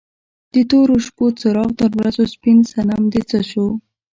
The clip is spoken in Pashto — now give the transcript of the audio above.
د تورو شپو څراغ تر ورځو سپین صنم دې څه شو؟